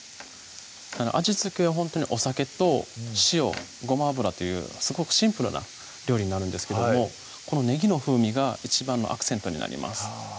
味付けはほんとにお酒と塩・ごま油というすごくシンプルな料理になるんですけどもこのねぎの風味が一番のアクセントになります